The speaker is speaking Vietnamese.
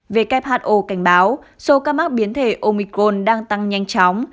who cảnh báo số ca mắc biến thể omicol đang tăng nhanh chóng